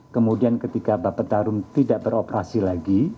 kemudian ketika bapak tarum tidak beroperasi lagi